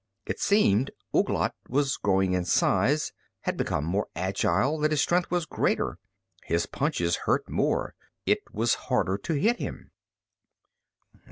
It seemed Ouglat was growing in size, had become more agile, that his strength was greater. His punches hurt more; it was harder to hit him.